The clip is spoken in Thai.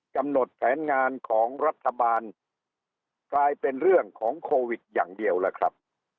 กำหนดแผนงานของรัฐบาลกลายเป็นเรื่องของโควิดอย่างเดียวล่ะครับ